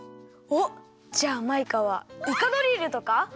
おっじゃあマイカはイカドリルとか？